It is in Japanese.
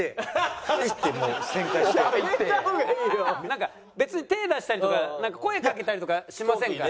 なんか別に手ぇ出したりとか声かけたりとかしませんから。